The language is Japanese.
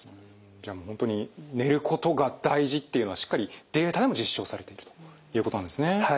じゃあもう本当に寝ることが大事っていうのはしっかりデータでも実証されているということなんですね。